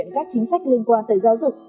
các chính sách liên quan tới giáo dục